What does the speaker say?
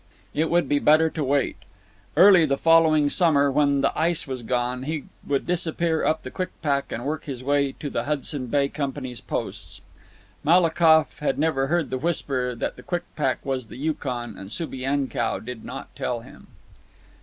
It would be better to wait. Early the following summer, when the ice was gone, he would disappear up the Kwikpak and work his way to the Hudson Bay Company's posts. Malakoff had never heard the whisper that the Kwikpak was the Yukon, and Subienkow did not tell him.